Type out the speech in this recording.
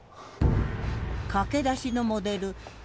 駆け出しのモデル橋本